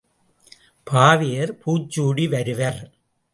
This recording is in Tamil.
பாவையர் பூச்சூடி வருவர்.